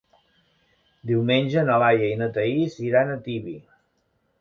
Diumenge na Laia i na Thaís iran a Tibi.